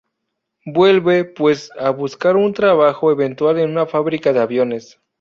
Vuelve pues a buscar un trabajo eventual en una fábrica de aviones.